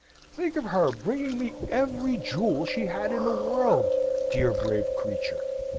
Think of her bringing me every jewel she had in the world, dear brave creature!